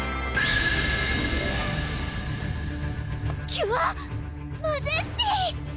キュアマジェスティ！